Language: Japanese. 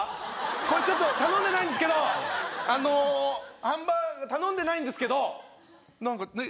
これちょっと頼んでないんですけどあのーハンバーガー頼んでないんですけどなんかねえ